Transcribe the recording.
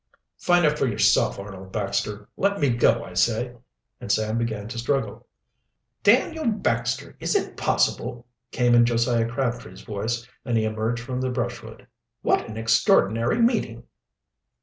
"Find out for yourself, Arnold Baxter. Let me go, I say!" And Sam began to struggle. "Daniel Baxter, is it possible!" came in Josiah Crabtree's voice, and he emerged from the brushwood. "What an extraordinary meeting!"